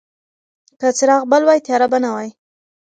که څراغ بل وای، تیاره به نه وه.